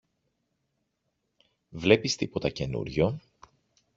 Βλέπεις τίποτα καινούριο;